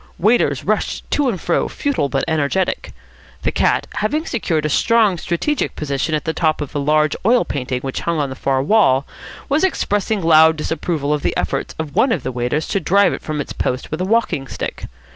Waiters rushed to and fro, futile but energetic. The cat, having secured a strong strategic position on the top of a large oil painting which hung on the far wall, was expressing loud disapproval of the efforts of one of the waiters to drive it from its post with a walking stick.